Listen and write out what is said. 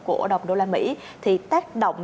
của đồng đô la mỹ thì tác động